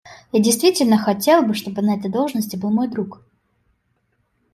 Я действительно хотел бы, чтобы на этой должности был мой друг.